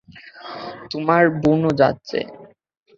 তোমার বোনও যাচ্ছে।